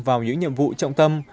vào những nhiệm vụ trọng tâm